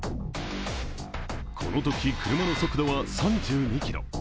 このとき車の速度は３２キロ。